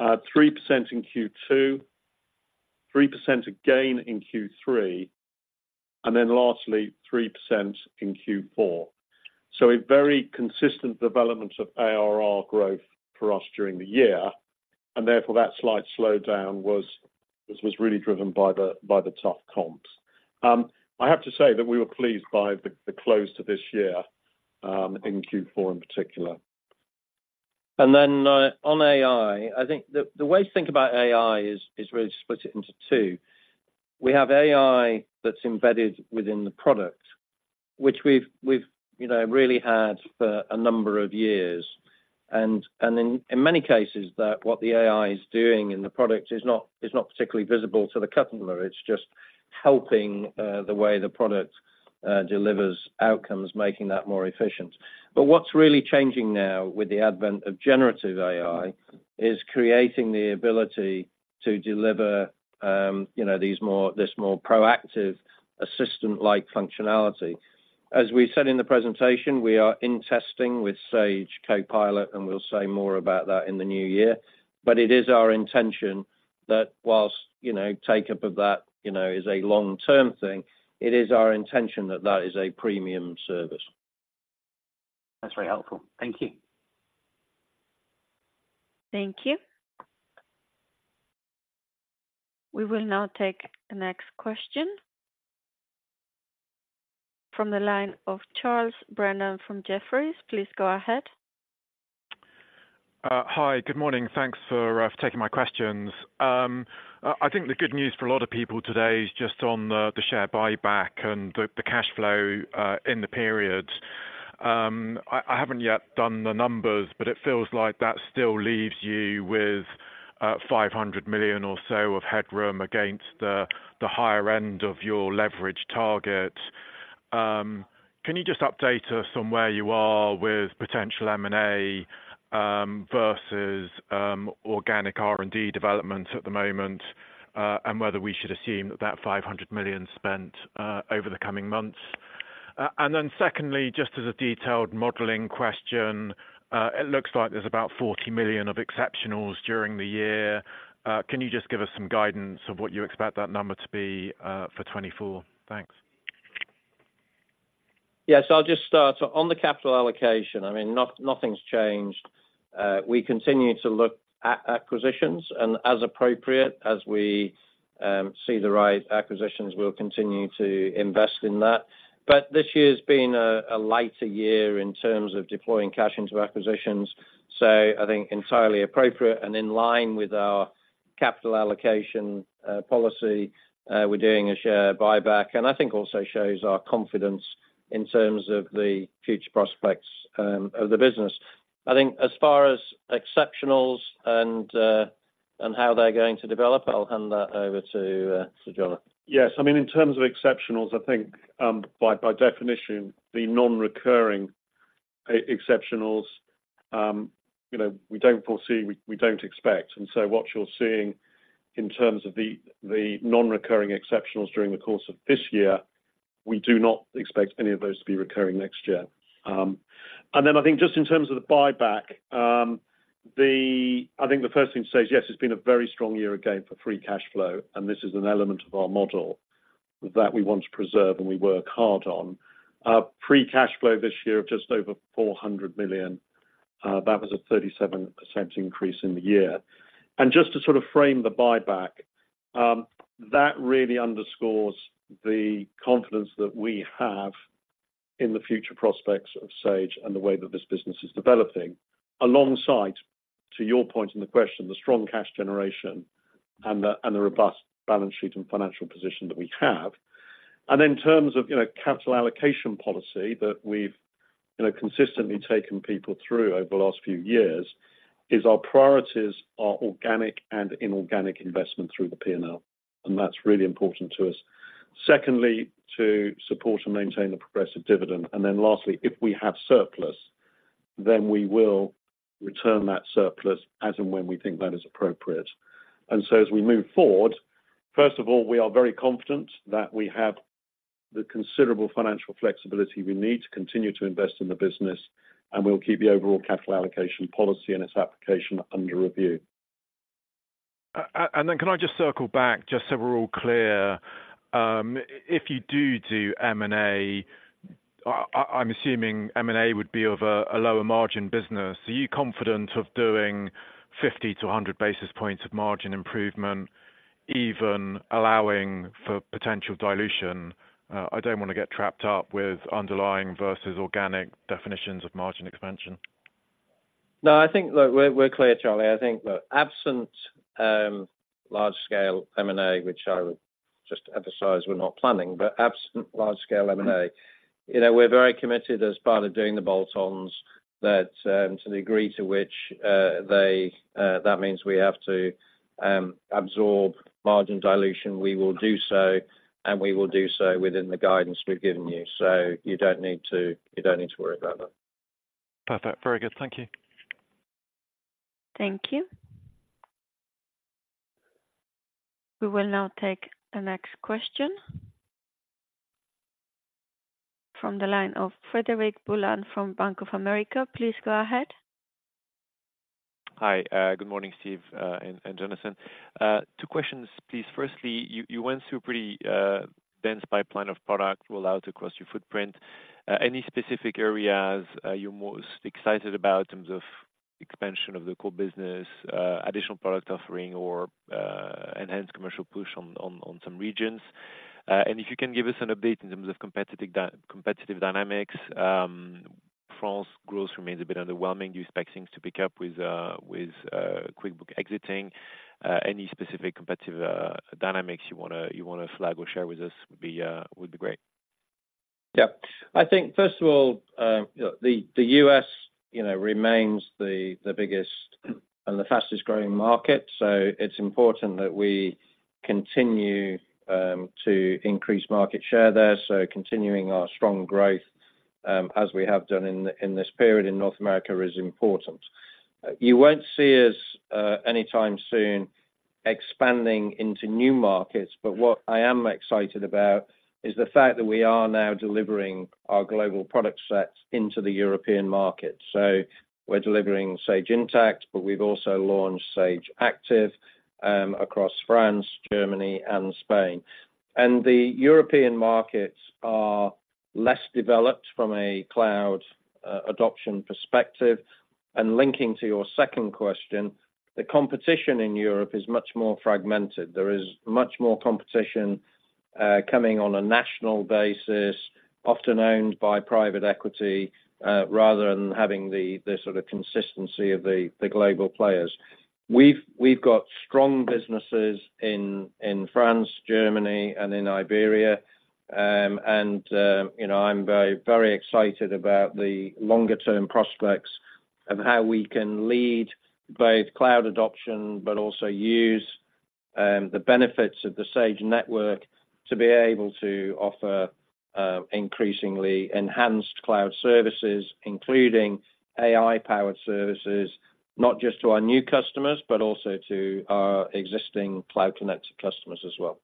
Speaker 2: 3% in Q2, 3% again in Q3, and then lastly, 3% in Q4. So a very consistent development of ARR growth for us during the year, and therefore, that slight slowdown was really driven by the tough comps. I have to say that we were pleased by the close to this year in Q4 in particular.
Speaker 1: And then, on AI, I think the way to think about AI is really to split it into two. We have AI that's embedded within the product, which we've, you know, really had for a number of years. And, in many cases, that what the AI is doing in the product is not particularly visible to the customer. It's just helping the way the product delivers outcomes, making that more efficient. But what's really changing now with the advent of generative AI is creating the ability to deliver, you know, these more, this more proactive assistant-like functionality. As we said in the presentation, we are in testing with Sage Copilot, and we'll say more about that in the new year. But it is our intention that while, you know, take up of that, you know, is a long-term thing, it is our intention that that is a premium service.
Speaker 6: That's very helpful. Thank you.
Speaker 3: Thank you. We will now take the next question from the line of Charles Brennan from Jefferies. Please go ahead.
Speaker 7: Hi, good morning. Thanks for taking my questions. I think the good news for a lot of people today is just on the share buyback and the cash flow in the period. I haven't yet done the numbers, but it feels like that still leaves you with 500 million or so of headroom against the higher end of your leverage target. Can you just update us on where you are with potential M&A versus organic R&D development at the moment, and whether we should assume that that 500 million spent over the coming months? And then secondly, just as a detailed modeling question, it looks like there's about 40 million of exceptionals during the year. Can you just give us some guidance of what you expect that number to be for 2024? Thanks.
Speaker 1: Yes, I'll just start. On the capital allocation, I mean, nothing's changed. We continue to look at acquisitions, and as appropriate, as we see the right acquisitions, we'll continue to invest in that. But this year's been a lighter year in terms of deploying cash into acquisitions. So I think entirely appropriate and in line with our capital allocation policy, we're doing a share buyback, and I think also shows our confidence in terms of the future prospects of the business. I think as far as exceptionals and and how they're going to develop, I'll hand that over to to Jonathan.
Speaker 2: Yes, I mean, in terms of exceptionals, I think, by, by definition, the non-recurring exceptionals, you know, we don't foresee, we, we don't expect. And so what you're seeing in terms of the, the non-recurring exceptionals during the course of this year, we do not expect any of those to be recurring next year. And then I think just in terms of the buyback, the I think the first thing to say is, yes, it's been a very strong year again, for free cash flow, and this is an element of our model that we want to preserve, and we work hard on. Our free cash flow this year of just over 400 million, that was a 37% increase in the year. Just to sort of frame the buyback, that really underscores the confidence that we have in the future prospects of Sage and the way that this business is developing. Alongside, to your point in the question, the strong cash generation and the robust balance sheet and financial position that we have. In terms of, you know, capital allocation policy that we've, you know, consistently taken people through over the last few years, is our priorities are organic and inorganic investment through the P&L, and that's really important to us. Secondly, to support and maintain the progressive dividend. Then lastly, if we have surplus, then we will return that surplus as and when we think that is appropriate. As we move forward, first of all, we are very confident that we have the considerable financial flexibility we need to continue to invest in the business, and we'll keep the overall capital allocation policy and its application under review.
Speaker 7: And then can I just circle back just so we're all clear? If you do do M&A, I'm assuming M&A would be of a lower margin business. Are you confident of doing 50-100 basis points of margin improvement, even allowing for potential dilution? I don't want to get trapped up with underlying versus organic definitions of margin expansion.
Speaker 1: No, I think that we're clear, Charlie. I think that absent large-scale M&A, which I would just emphasize, we're not planning, but absent large-scale M&A, you know, we're very committed as part of doing the bolt-ons, that to the degree to which that means we have to absorb margin dilution, we will do so, and we will do so within the guidance we've given you. So you don't need to, you don't need to worry about that.
Speaker 7: Perfect. Very good. Thank you.
Speaker 3: Thank you. We will now take the next question from the line of Frederic Boulan from Bank of America. Please go ahead.
Speaker 8: Hi. Good morning, Steve, and Jonathan. Two questions, please. Firstly, you went through a pretty dense pipeline of product roll out across your footprint. Any specific areas you're most excited about in terms of expansion of the core business, additional product offering, or enhanced commercial push on some regions? And if you can give us an update in terms of competitive dy-- competitive dynamics, France growth remains a bit underwhelming. Do you expect things to pick up with QuickBooks exiting? Any specific competitive dynamics you wanna flag or share with us would be great.
Speaker 1: Yeah. I think, first of all, the U.S., you know, remains the biggest and the fastest-growing market, so it's important that we continue to increase market share there. So continuing our strong growth as we have done in this period in North America, is important. You won't see us anytime soon expanding into new markets, but what I am excited about is the fact that we are now delivering our global product sets into the European market. So we're delivering Sage Intacct, but we've also launched Sage Active across France, Germany, and Spain. And the European markets are less developed from a cloud adoption perspective. And linking to your second question, the competition in Europe is much more fragmented. There is much more competition, coming on a national basis, often owned by private equity, rather than having the sort of consistency of the global players. We've got strong businesses in France, Germany, and in Iberia. And, you know, I'm very, very excited about the longer-term prospects of how we can lead both cloud adoption, but also use the benefits of the Sage Network to be able to offer increasingly enhanced cloud services, including AI-powered services, not just to our new customers, but also to our existing cloud-connected customers as well.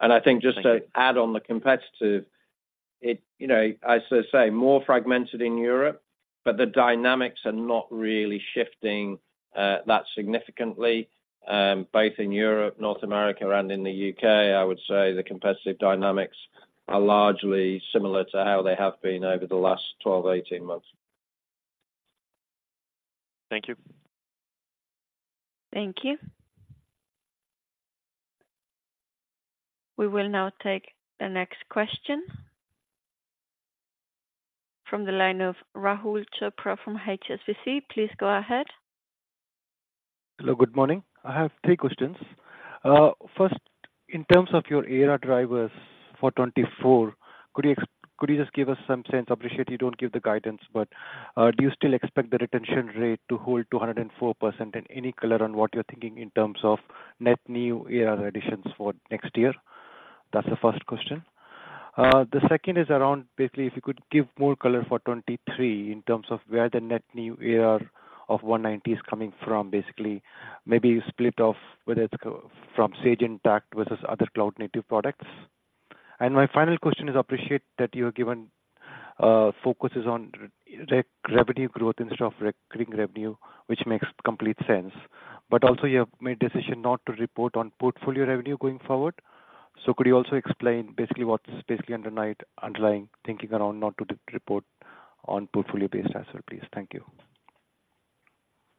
Speaker 2: I think just to add on the competitive, you know, as I say, more fragmented in Europe, but the dynamics are not really shifting that significantly both in Europe, North America, and in the UK. I would say the competitive dynamics are largely similar to how they have been over the last 12, 18 months.
Speaker 8: Thank you.
Speaker 3: Thank you. We will now take the next question from the line of Rahul Chopra from HSBC. Please go ahead.
Speaker 9: Hello, good morning. I have three questions. First, in terms of your ARR drivers for 2024, could you just give us some sense? I appreciate you don't give the guidance, but, do you still expect the retention rate to hold 204%, and any color on what you're thinking in terms of net new ARR additions for next year? That's the first question. The second is around basically, if you could give more color for 2023 in terms of where the net new ARR of 190 is coming from, basically, maybe split off whether it's from Sage Intacct versus other Cloud Native products. And my final question is, I appreciate that you have given focuses on revenue growth instead of recurring revenue, which makes complete sense. But also you have made decision not to report on portfolio revenue going forward. So could you also explain basically what is basically underlying thinking around not to re-report on portfolio-based as well, please? Thank you.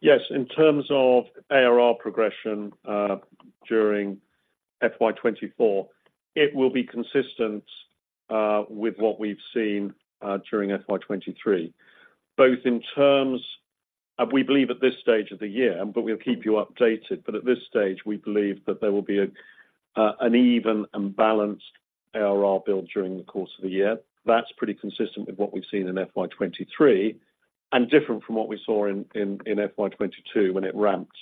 Speaker 2: Yes, in terms of ARR progression, during FY24, it will be consistent with what we've seen during FY23. We believe at this stage of the year, but we'll keep you updated, but at this stage, we believe that there will be an even and balanced ARR build during the course of the year. That's pretty consistent with what we've seen in FY23, and different from what we saw in FY22, when it ramped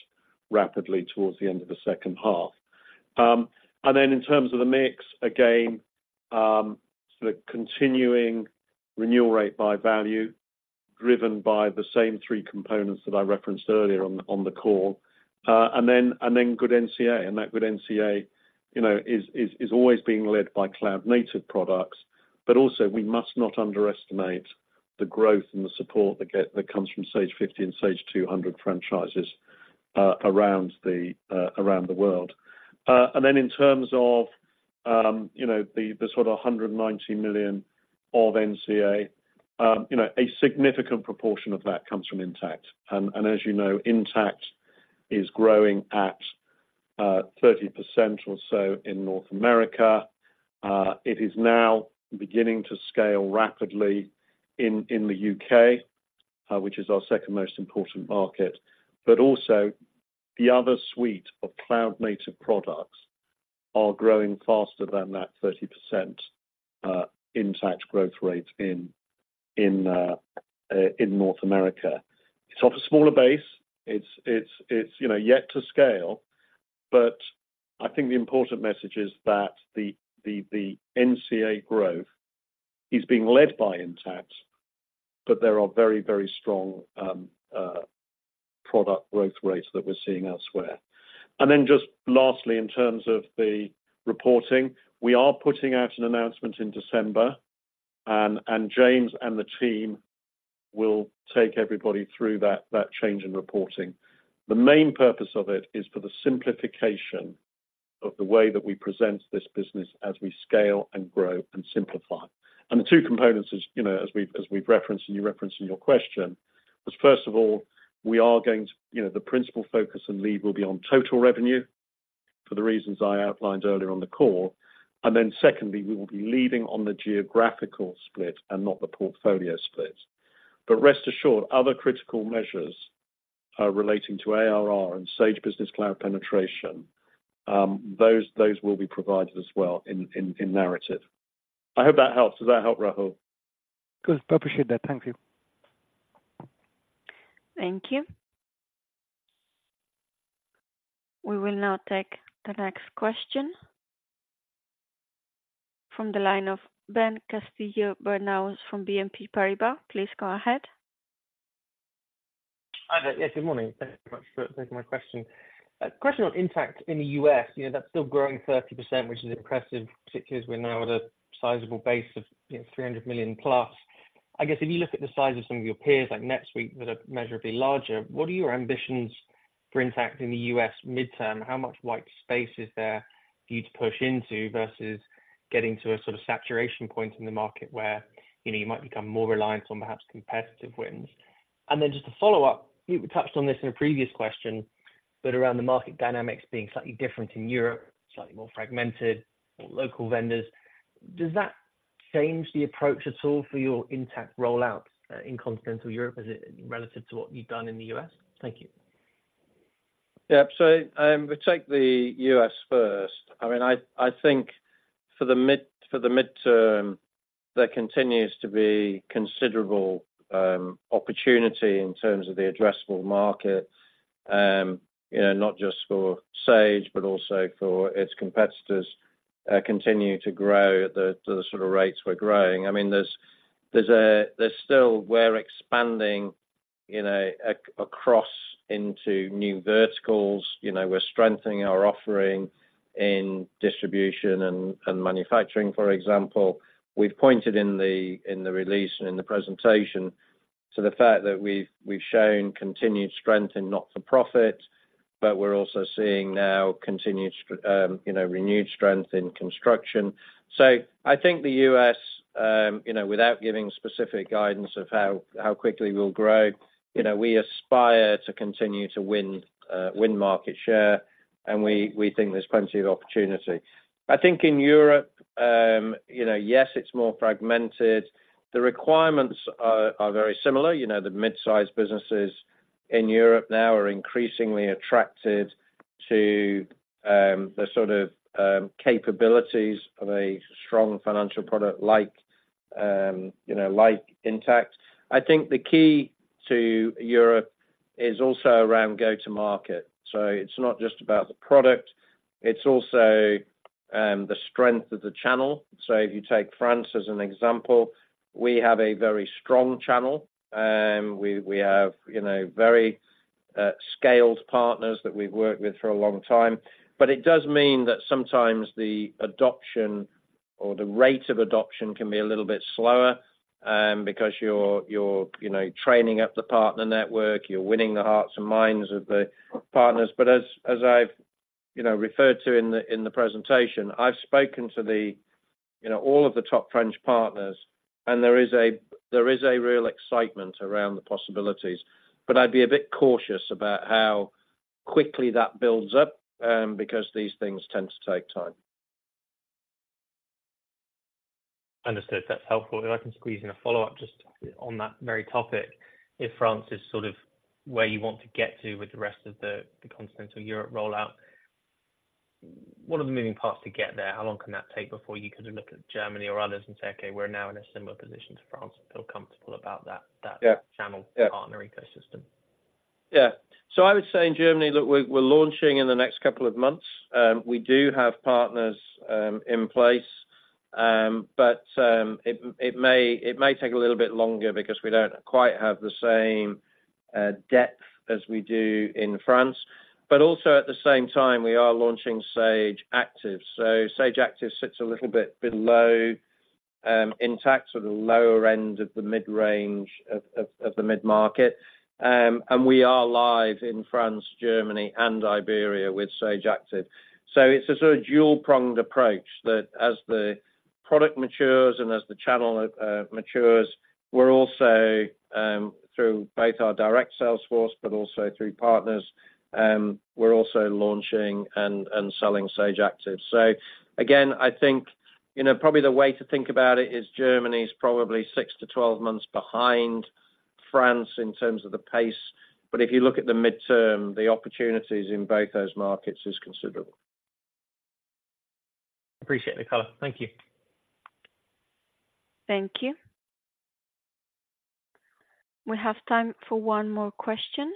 Speaker 2: rapidly towards the end of the second half. And then in terms of the mix, again, sort of continuing renewal rate by value, driven by the same three components that I referenced earlier on the call. And then, and then good NCA, and that good NCA, you know, is always being led by cloud native products. But also we must not underestimate the growth and the support that comes from Sage 50 and Sage 200 franchises around the world. And then in terms of, you know, the sort of 190 million of NCA, you know, a significant proportion of that comes from Intacct. And as you know, Intacct is growing at 30% or so in North America. It is now beginning to scale rapidly in the UK, which is our second most important market. But also the other suite of cloud native products are growing faster than that 30%, Intacct growth rate in North America. It's off a smaller base. It's, it's, it's, you know, yet to scale, but I think the important message is that the NCA growth is being led by Intacct, but there are very, very strong product growth rates that we're seeing elsewhere. And then just lastly, in terms of the reporting, we are putting out an announcement in December, and James and the team will take everybody through that change in reporting. The main purpose of it is for the simplification of the way that we present this business as we scale and grow and simplify. And the two components, as you know, as we've referenced, and you referenced in your question, was, first of all, we are going to, you know, the principal focus and lead will be on total revenue for the reasons I outlined earlier on the call. And then secondly, we will be leading on the geographical split and not the portfolio split. But rest assured, other critical measures relating to ARR and Sage Business Cloud penetration, those will be provided as well in narrative. I hope that helps. Does that help, Rahul?
Speaker 9: Good. I appreciate that. Thank you.
Speaker 3: Thank you. We will now take the next question from the line of Ben Castillo-Bernaus from BNP Paribas. Please go ahead.
Speaker 10: Hi there. Yes, good morning. Thank you very much for taking my question. A question on Intacct in the U.S., you know, that's still growing 30%, which is impressive, particularly as we're now at a sizable base of, you know, $300 million plus. I guess if you look at the size of some of your peers, like NetSuite, that are measurably larger, what are your ambitions for Intacct in the U.S. midterm? How much white space is there for you to push into versus getting to a sort of saturation point in the market where, you know, you might become more reliant on perhaps competitive wins? Then just to follow up, you touched on this in a previous question, but around the market dynamics being slightly different in Europe, slightly more fragmented, more local vendors, does that change the approach at all for your Intacct rollout in Continental Europe as it relative to what you've done in the U.S.? Thank you.
Speaker 2: Yeah. So, we take the U.S. first. I mean, I think for the midterm, there continues to be considerable opportunity in terms of the addressable market, you know, not just for Sage, but also for its competitors continue to grow at the sort of rates we're growing. I mean, there's still we're expanding-
Speaker 1: You know, across into new verticals. You know, we're strengthening our offering in distribution and manufacturing, for example. We've pointed in the release and in the presentation to the fact that we've shown continued strength in not-for-profit, but we're also seeing now continued, you know, renewed strength in construction. So I think the U.S., you know, without giving specific guidance of how quickly we'll grow, you know, we aspire to continue to win, win market share, and we think there's plenty of opportunity. I think in Europe, you know, yes, it's more fragmented. The requirements are very similar. You know, the mid-sized businesses in Europe now are increasingly attracted to the sort of capabilities of a strong financial product like, you know, like Intacct. I think the key to Europe is also around go-to-market. So it's not just about the product, it's also the strength of the channel. So if you take France as an example, we have a very strong channel, we have, you know, very scaled partners that we've worked with for a long time. But it does mean that sometimes the adoption or the rate of adoption can be a little bit slower, because you're, you know, training up the partner network, you're winning the hearts and minds of the partners. But as I've, you know, referred to in the presentation, I've spoken to the, you know, all of the top French partners, and there is a real excitement around the possibilities. But I'd be a bit cautious about how quickly that builds up, because these things tend to take time.
Speaker 10: Understood. That's helpful. If I can squeeze in a follow-up just on that very topic. If France is sort of where you want to get to with the rest of the Continental Europe rollout, what are the moving parts to get there? How long can that take before you can look at Germany or others and say, "Okay, we're now in a similar position to France, and feel comfortable about that, that-
Speaker 1: Yeah.
Speaker 10: - channel, partner ecosystem?
Speaker 1: Yeah. So I would say in Germany, look, we're launching in the next couple of months. We do have partners in place. But it may take a little bit longer because we don't quite have the same depth as we do in France. But also at the same time, we are launching Sage Active. So Sage Active sits a little bit below Intacct, so the lower end of the mid-range of the mid-market. And we are live in France, Germany, and Iberia with Sage Active. So it's a sort of dual-pronged approach that as the product matures and as the channel matures, we're also through both our direct sales force, but also through partners, we're also launching and selling Sage Active. So again, I think, you know, probably the way to think about it is Germany is probably 6-12 months behind France in terms of the pace. But if you look at the midterm, the opportunities in both those markets is considerable.
Speaker 10: Appreciate the color. Thank you.
Speaker 3: Thank you. We have time for one more question.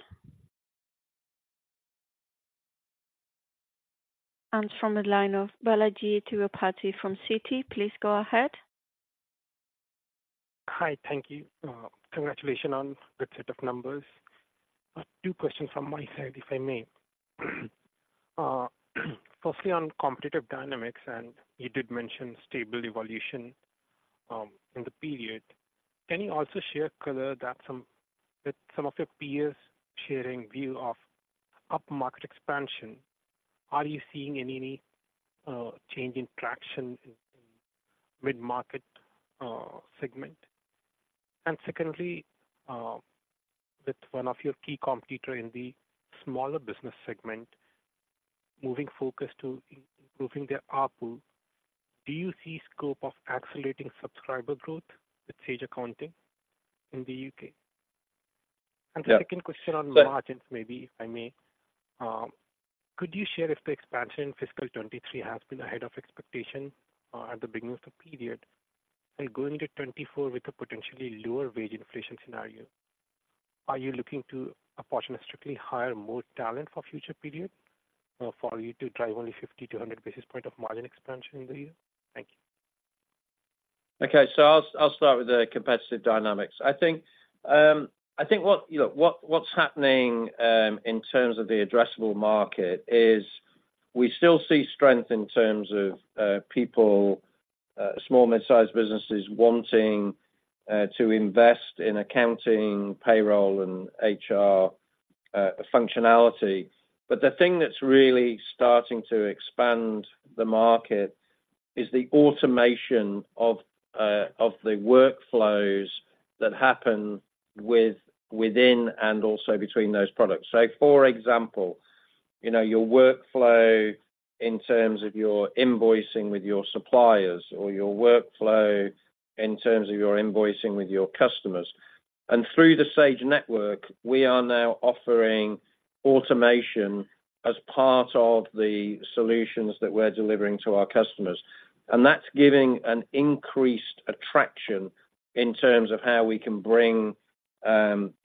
Speaker 3: From the line of Balajee Tirupati from Citi, please go ahead.
Speaker 11: Hi, thank you. Congratulations on the good set of numbers. Two questions from my side, if I may. Firstly, on competitive dynamics, and you did mention stable evolution in the period. Can you also share color with some of your peers sharing view of upmarket expansion, are you seeing any change in traction in mid-market segment? And secondly, with one of your key competitor in the smaller business segment moving focus to improving their output, do you see scope of accelerating subscriber growth with Sage Accounting in the UK?
Speaker 1: Yeah.
Speaker 11: The second question on margins, maybe, if I may. Could you share if the expansion in fiscal 2023 has been ahead of expectation at the beginning of the period, and going into 2024 with a potentially lower wage inflation scenario? Are you looking to opportunistically hire more talent for future period for you to drive only 50-100 basis points of margin expansion in the year? Thank you.
Speaker 1: Okay, so I'll start with the competitive dynamics. I think, I think what, you know, what, what's happening in terms of the addressable market is we still see strength in terms of, people, small mid-sized businesses wanting to invest in accounting, payroll, and HR functionality. But the thing that's really starting to expand the market is the automation of the workflows that happen within, and also between those products. So for example, you know, your workflow in terms of your invoicing with your suppliers, or your workflow in terms of your invoicing with your customers. And through the Sage Network, we are now offering automation as part of the solutions that we're delivering to our customers, and that's giving an increased attraction in terms of how we can bring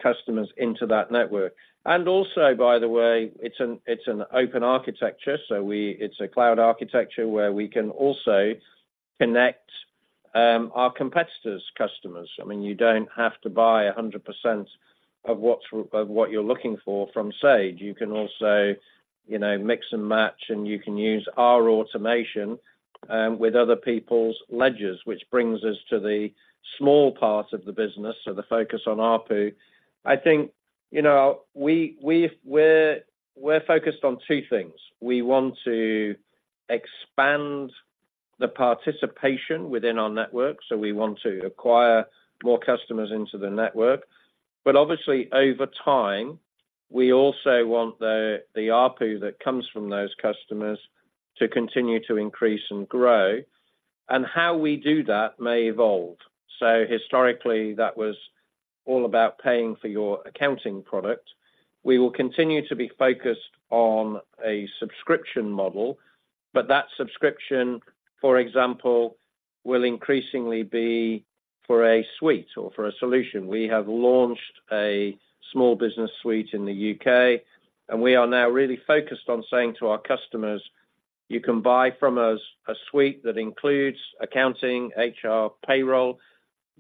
Speaker 1: customers into that network. And also, by the way, it's an open architecture, so it's a cloud architecture where we can also connect our competitors' customers. I mean, you don't have to buy 100% of what's, of what you're looking for from Sage. You can also, you know, mix and match, and you can use our automation with other people's ledgers, which brings us to the small part of the business, so the focus on ARPU. I think, you know, we're focused on two things. We want to expand the participation within our network, so we want to acquire more customers into the network. But obviously, over time, we also want the ARPU that comes from those customers to continue to increase and grow, and how we do that may evolve. So historically, that was all about paying for your accounting product. We will continue to be focused on a subscription model, but that subscription, for example, will increasingly be for a suite or for a solution. We have launched a small business suite in the UK, and we are now really focused on saying to our customers, "You can buy from us a suite that includes accounting, HR, payroll,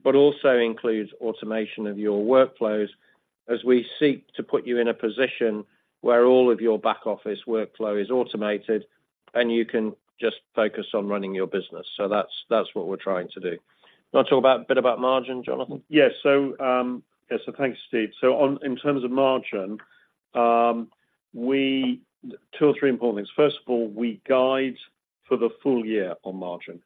Speaker 1: but also includes automation of your workflows as we seek to put you in a position where all of your back-office workflow is automated, and you can just focus on running your business." So that's, that's what we're trying to do. You want to talk about, a bit about margin, Jonathan?
Speaker 2: Yes. So, yes, so thanks, Steve. So on, in terms of margin, two or three important things. First of all, we guide for the full year on margin.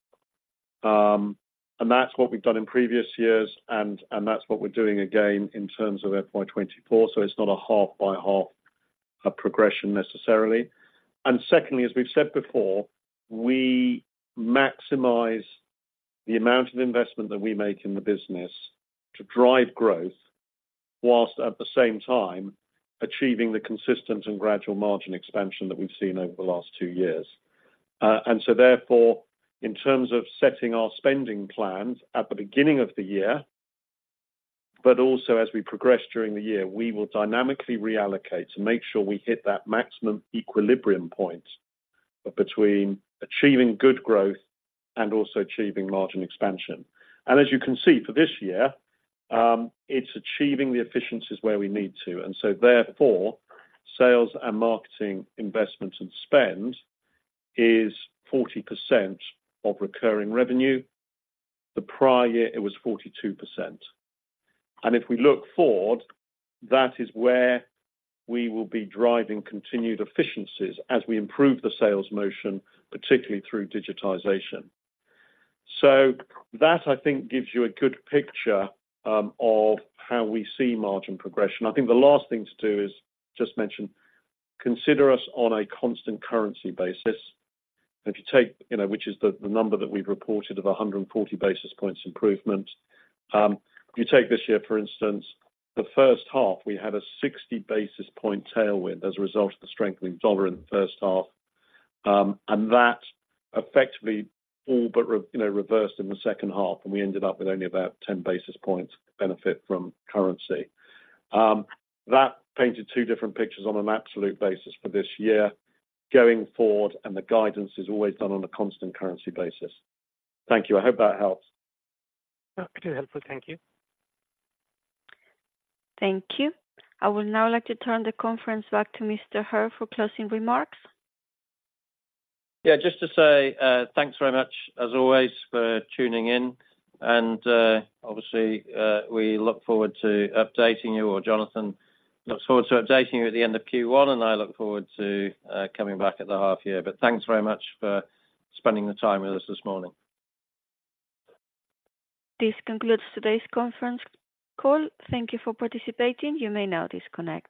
Speaker 2: And that's what we've done in previous years, and that's what we're doing again in terms of F24, so it's not a half by half progression necessarily. And secondly, as we've said before, we maximize the amount of investment that we make in the business to drive growth, while at the same time, achieving the consistent and gradual margin expansion that we've seen over the last two years. And so therefore, in terms of setting our spending plans at the beginning of the year, but also as we progress during the year, we will dynamically reallocate to make sure we hit that maximum equilibrium point between achieving good growth and also achieving margin expansion. As you can see for this year, it's achieving the efficiencies where we need to, and so therefore, sales and marketing investment and spend is 40% of recurring revenue. The prior year, it was 42%. And if we look forward, that is where we will be driving continued efficiencies as we improve the sales motion, particularly through digitization. So that, I think, gives you a good picture of how we see margin progression. I think the last thing to do is just mention, consider us on a constant currency basis. If you take, you know, which is the, the number that we've reported of 140 basis points improvement. If you take this year, for instance, the first half, we had a 60 basis point tailwind as a result of the strengthening dollar in the first half. And that effectively all but reversed, you know, in the second half, and we ended up with only about 10 basis points benefit from currency. That painted two different pictures on an absolute basis for this year going forward, and the guidance is always done on a constant currency basis. Thank you. I hope that helps.
Speaker 3: Yeah, pretty helpful. Thank you. Thank you. I would now like to turn the conference back to Mr. Hare for closing remarks.
Speaker 1: Yeah, just to say, thanks very much, as always, for tuning in. And, obviously, we look forward to updating you, or Jonathan looks forward to updating you at the end of Q1, and I look forward to coming back at the half year. But thanks very much for spending the time with us this morning.
Speaker 3: This concludes today's conference call. Thank you for participating. You may now disconnect.